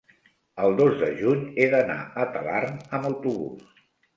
el dos de juny he d'anar a Talarn amb autobús.